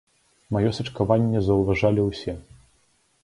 Маё сачкаванне заўважалі ўсе.